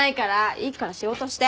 いいから仕事して！